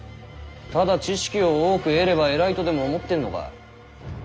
ただ知識を多く得れば偉いとでも思ってんのか？